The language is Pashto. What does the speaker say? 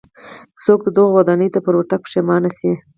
څوک دغو ودانیو ته پر ورتګ پښېمانه شي.